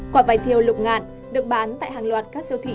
quả vải thiều lục ngàn được bán tại hàng loạt các siêu thị